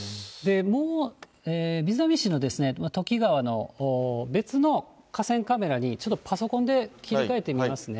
瑞浪市の土岐川の別の河川カメラに、ちょっとパソコンで切り替えてみますね。